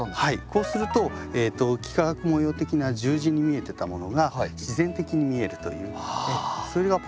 こうすると幾何学模様的な十字に見えてたものが自然的に見えるというそれがポイントですね。